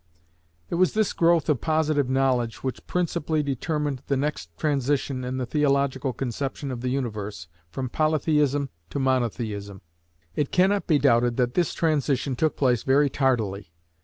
It was this growth of positive knowledge which principally determined the next transition in the theological conception of the universe, from Polytheism to Monotheism. It cannot be doubted that this transition took place very tardily.